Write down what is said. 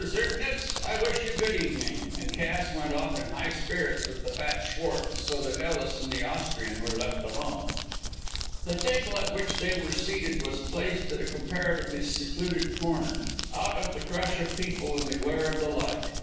Zirknitz, I wish you good evening," and Cass went off in high spirits with the fat Schwartz, so that Ellis and the Austrian were left alone. The table at which they were seated was placed at a comparatively secluded corner, out of the crush of people and the glare of the light.